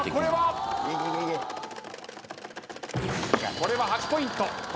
これは８ポイント。